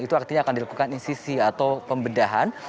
itu artinya akan dilakukan insisisi atau pembedahan